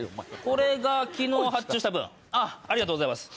これが昨日発注した分あぁありがとうございます。